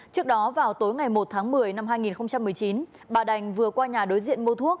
trước đó vào tối ngày một tháng một mươi năm hai nghìn một mươi chín bà đành vừa qua nhà đối diện mua thuốc